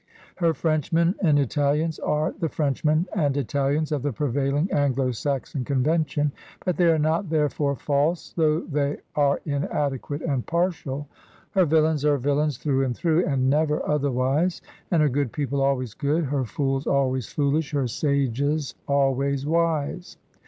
Her Frenchmen and Italians are the Frenchmen and ItaHans of the prevail ing Anglo Saxon convention ; but they are not therefore false, though they are inadequate and partial. Her villains are villains through and through, and never otherwise, and her good people always good, her fools always fooUsh, her sages always wise.